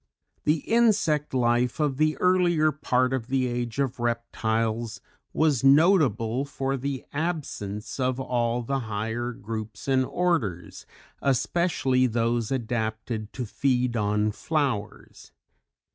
_ The Insect life of the earlier part of the Age of Reptiles was notable for the absence of all the higher groups and orders, especially those adapted to feed on flowers.